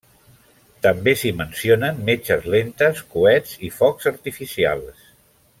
També s'hi mencionen metxes lentes, coets i focs artificials.